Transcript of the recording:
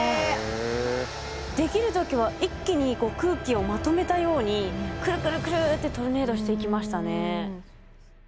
出来る時は一気に空気をまとめたようにクルクルクルってトルネードしていきましたね。